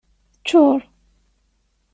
Teccuṛ.